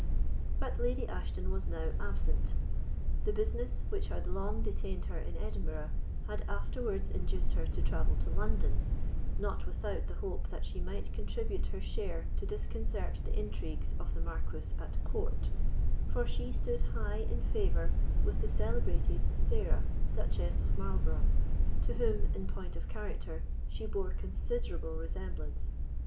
But Lady Ashton was now absent. The business which had long detained her in Edinburgh had afterwards induced her to travel to London, not without the hope that she might contribute her share to disconcert the intrigues of the Marquis at court; for she stood high in favour with the celebrated Sarah, Duchess of Marlborough, to whom, in point of character, she bore considerable resemblance.